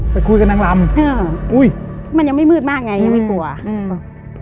ไปคุยกับนางลำอ่าอุ้ยมันยังไม่มืดมากไงยังไม่กลัวอืม